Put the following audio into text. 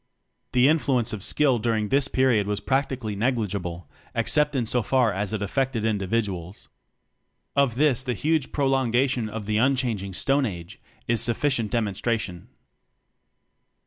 The influence of Skill during this period was practically negligible, ex cept in so far as it affected indi viduals. Of this the huge prolonga tion of the unchanging "Stone Age" is sufficient demonstration.